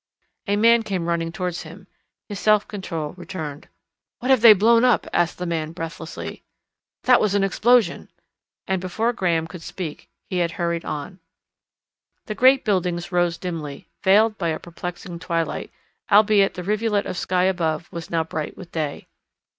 A man came running towards him. His self control returned. "What have they blown up?" asked the man breathlessly. "That was an explosion," and before Graham could speak he had hurried on. The great buildings rose dimly, veiled by a perplexing twilight, albeit the rivulet of sky above was now bright with day.